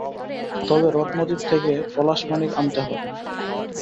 তবে রত্নদ্বীপ থেকে পলাশমানিক আনতে হবে।